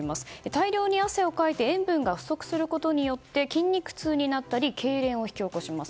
大量に汗をかいて塩分が不足することによって筋肉痛になったりけいれんを引き起こします。